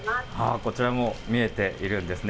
こちらも見えているんですね。